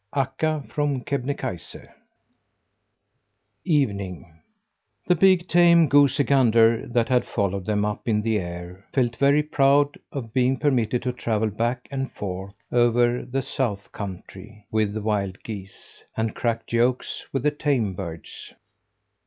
AKKA FROM KEBNEKAISE EVENING The big tame goosey gander that had followed them up in the air, felt very proud of being permitted to travel back and forth over the South country with the wild geese, and crack jokes with the tame birds.